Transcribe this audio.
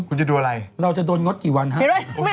ถูกต้องนะครับว้าวเบลลารุสกับอะไรอ่านไม่ไทย